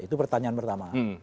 itu pertanyaan pertama